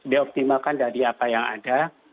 dioptimalkan dari apa yang ada